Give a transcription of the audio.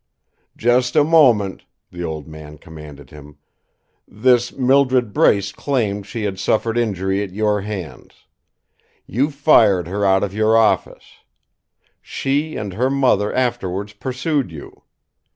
"Just a moment!" the old man commanded him. "This Mildred Brace claimed she had suffered injury at your hands. You fired her out of your office. She and her mother afterwards pursued you.